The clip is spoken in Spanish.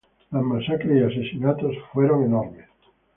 Las masacres y asesinatos fueron enormes.